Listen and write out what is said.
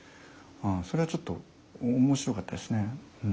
それはちょっと面白かったですね。